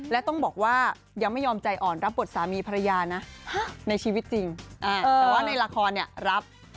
และต้องบอกว่ายังไม่ยอมใจอ่อนรับบทสามีภรรยานะในชีวิตจริงแต่ว่าในละครเนี่ยรับ